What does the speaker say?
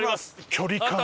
距離感が。